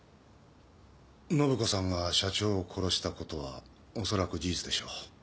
信子さんが社長を殺したことはおそらく事実でしょう。